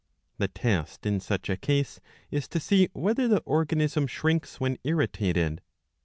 The test in such a case is to see whether the organism shrinks when irritated.